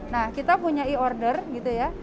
nah kita punya e order gitu ya